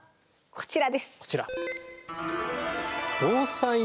こちら。